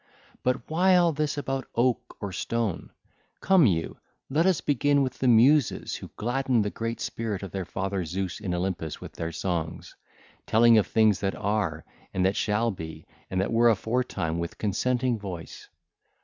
But why all this about oak or stone? 1602 (ll. 36 52) Come thou, let us begin with the Muses who gladden the great spirit of their father Zeus in Olympus with their songs, telling of things that are and that shall be and that were aforetime with consenting voice.